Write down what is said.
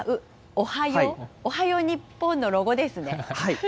おはよう、おはよう日本のロゴですね。